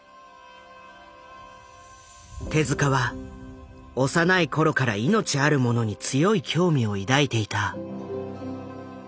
手は幼い頃から命あるものに強い興味を抱いていた。